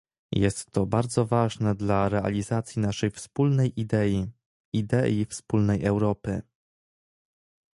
Jest to bardzo ważne dla realizacji naszej wspólnej idei - idei wspólnej Europy